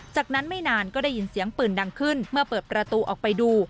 จากนั้นไม่นานก็ได้ยินเสียงปืนดังขึ้นเมื่อเปิดประตูออกไปดู